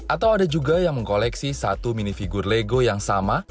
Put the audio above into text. atau ada juga yang mengkoleksi satu mini figur lego yang sama